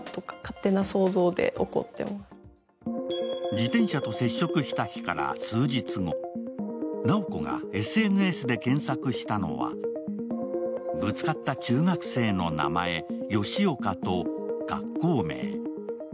自転車と接触した日から数日後、直子がＳＮＳで検索したのはぶつかった中学生の名前ヨシオカと学校名。